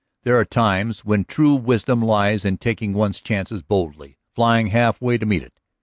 There are times when true wisdom lies in taking one's chance boldly, flying half way to meet it.